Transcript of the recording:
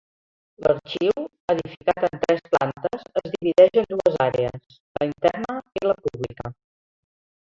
L’arxiu, edificat en tres plantes, es divideix en dues àrees: la interna i la pública.